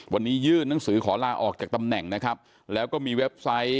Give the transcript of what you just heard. วันนี้ยื่นหนังสือขอลาออกจากตำแหน่งนะครับแล้วก็มีเว็บไซต์